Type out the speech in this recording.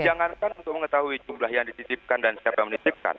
jangankan untuk mengetahui jumlah yang dititipkan dan siapa yang menitipkan